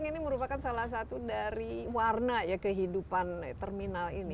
ini merupakan salah satu dari warna ya kehidupan terminal ini